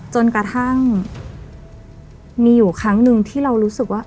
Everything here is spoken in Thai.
จนกระทั่งมีอยู่ครั้งหนึ่งที่เรารู้สึกว่า